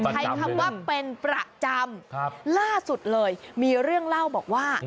ใช้คำว่าเป็นประจำครับล่าสุดเลยมีเรื่องเล่าบอกว่า